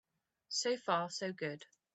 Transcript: So far so good.